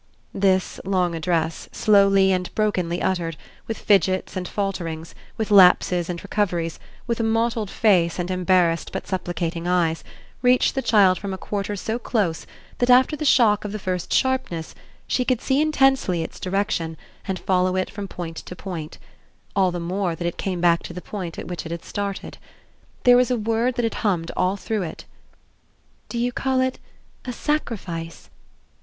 This long address, slowly and brokenly uttered, with fidgets and falterings, with lapses and recoveries, with a mottled face and embarrassed but supplicating eyes, reached the child from a quarter so close that after the shock of the first sharpness she could see intensely its direction and follow it from point to point; all the more that it came back to the point at which it had started. There was a word that had hummed all through it. "Do you call it a 'sacrifice'?"